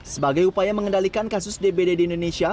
sebagai upaya mengendalikan kasus dbd di indonesia